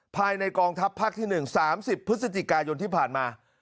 ภายในกองทัพภาคที่๑๓๐พฤศจิกายนที่ผ่านมา